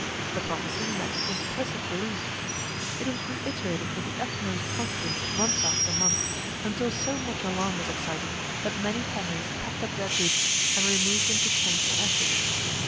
The prophecy met implicit belief. It was reiterated with the utmost confidence month after month, until so much alarm was excited that many families packed up their goods, and removed into Kent and Essex.